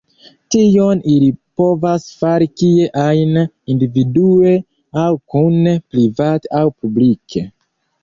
Tion ili povas fari kie ajn, individue aŭ kune, private aŭ publike.